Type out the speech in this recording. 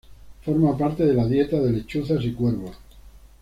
Forma parte de la dieta de lechuzas y cuervos.